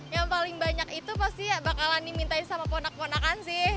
yang paling banyak itu pasti bakalan dimintain sama ponak ponakan sih